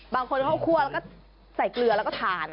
บางคนเขาคั่วแล้วก็ใส่เกลือแล้วก็ทาน